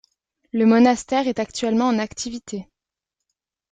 Le monastère est actuellement en activité.